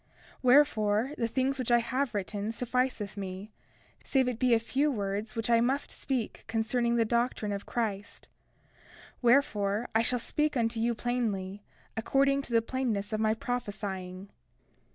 31:2 Wherefore, the things which I have written sufficeth me, save it be a few words which I must speak concerning the doctrine of Christ; wherefore, I shall speak unto you plainly, according to the plainness of my prophesying.